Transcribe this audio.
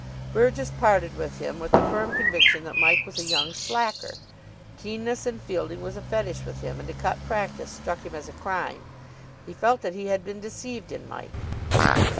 Burgess parted with him with the firm conviction that Mike was a young slacker. Keenness in fielding was a fetish with him; and to cut practice struck him as a crime. He felt that he had been deceived in Mike.